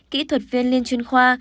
kỹ thuật viên liên chuyên khoa